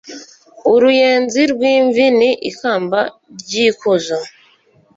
Uruyenzi rw’imvi ni ikamba ry’ikuzo